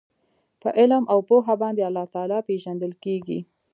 په علم او پوهه باندي الله تعالی پېژندل کیږي